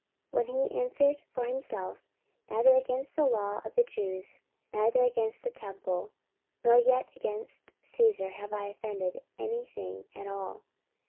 44:025:008 While he answered for himself, Neither against the law of the Jews, neither against the temple, nor yet against Caesar, have I offended any thing at all.